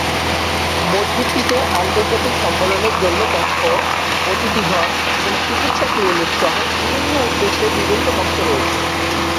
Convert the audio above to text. মসজিদটিতে আন্তর্জাতিক সম্মেলনের জন্য কক্ষ, অতিথি ঘর এবং চিকিৎসা ক্লিনিক সহ বিভিন্ন উদ্দেশ্যে বিভিন্ন কক্ষ রয়েছে।